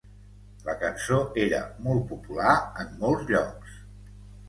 La cançó era molt popular en molts llocs.